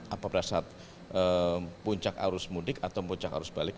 apa berasal puncak arus mudik atau puncak arus balik